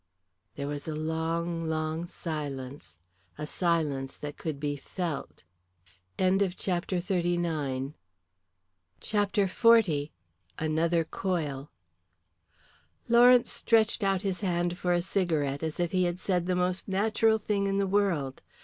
There was a long, long silence, a silence that could be felt. CHAPTER XL. ANOTHER COIL. Lawrence stretched out his hand for a cigarette as if he had said the most natural thing in the world.